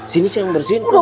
sini saya mbersihin kum